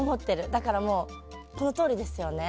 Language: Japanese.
だから、このとおりですよね。